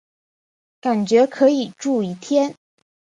感觉可以住一天